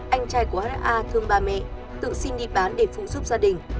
anh trai của ha thương bà mẹ tự xin đi bán để phụ giúp gia đình